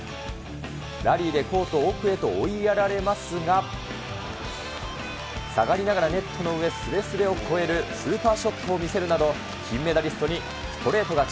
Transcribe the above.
ラリーでコート奥へと追いやられますが、下がりながらネットの上すれすれを越えるスーパーショットを見せるなど、金メダリストにストレート勝ち。